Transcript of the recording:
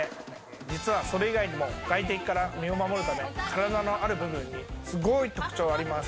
実はそれ以外にも外敵から身を守るため、体のある部分にすごい特徴があります。